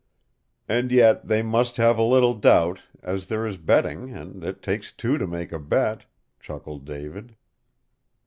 "And yet they must have a little doubt, as there is betting, and it takes two to make a bet," chuckled David.